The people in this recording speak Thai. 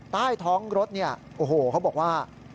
ใต้ท้องรถเนี่ยโอ้โหเขาบอกว่า